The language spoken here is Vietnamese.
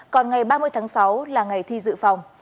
còn ngày ba mươi tháng sáu là ngày thi dự phòng